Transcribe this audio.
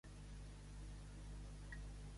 Boires al Carrascal!